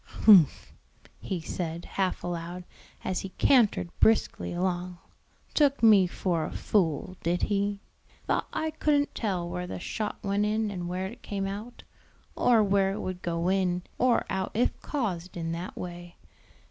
"Humph," he said, half aloud, as he cantered briskly along, "took me for a fool, did he? thought I couldn't tell where the shot went in and where it came out, or where it would go in or out if caused in that way.